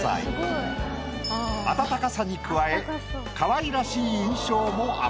暖かさに加えかわいらしい印象もアップ。